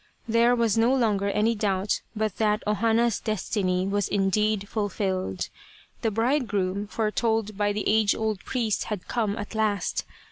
There was no longer any doubt but that O Hana's destiny was indeed fulfilled. The bridegroom, fore told by the age old priest, had come at last.